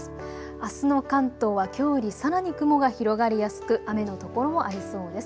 あすの関東はきょうよりさらに雲が広がりやすく雨の所もありそうです。